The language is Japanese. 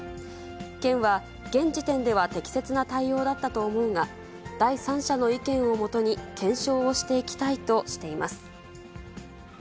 県は、現時点では適切な対応だったと思うが、第三者の意見をもとに検証をしていきたいとしています。